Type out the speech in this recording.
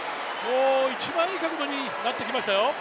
一番いい角度になってきましたよ。